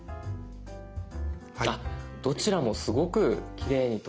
あっどちらもすごくきれいに撮れてます。